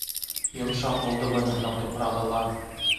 Йомшаҡ булды быныһының тупрағы ла.